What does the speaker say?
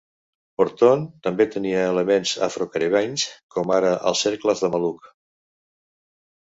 Horton també tenia elements afrocaribenys, com ara els cercles de maluc.